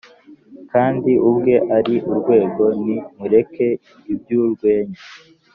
Kandi ubwe ari urwego, Nti : mureke iby'urwenya,